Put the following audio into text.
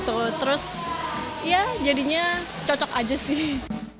terus ya jadinya cocok aja sih